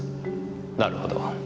なるほど。